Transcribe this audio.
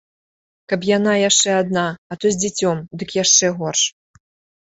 Каб яна яшчэ адна, а то з дзіцем, дык яшчэ горш.